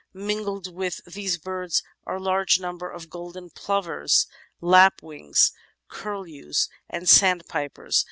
Mingled with these birds are large numbers of golden plovers, lapwings, cur lews, and sandpipers.